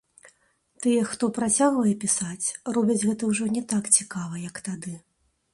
Тыя, хто працягвае пісаць, робяць гэта ўжо не так цікава, як тады.